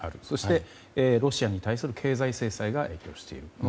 そして、ロシアに対する経済制裁が影響している。